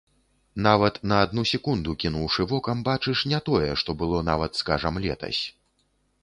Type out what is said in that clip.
Нават на адну секунду кінуўшы вокам, бачыш не тое, што было нават, скажам, летась.